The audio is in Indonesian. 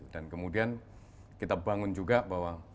dan kemudian kita bangun juga bahwa